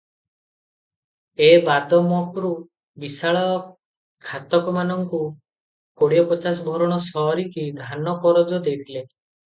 ଏ ବାଦ ମକ୍ରୁ ବିଶାଳ ଖାତକମାନଙ୍କୁ କୋଡିଏ ପଚାଶ ଭରଣ ସରିକି ଧାନ କରଜ ଦେଇଥିଲେ ।